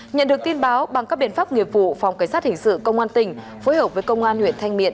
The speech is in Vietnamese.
nhận được tin báo bằng các biện pháp nghiệp vụ phòng cảnh sát hình sự công an tỉnh phối hợp với công an huyện thanh miện